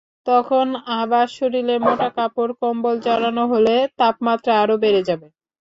তখন আবার শরীরে মোটা কাপড়-কম্বল জড়ানো হলে তাপমাত্রা আরও বেড়ে যাবে।